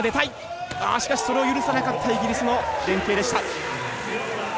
あしかしそれを許さなかったイギリスの連係でした。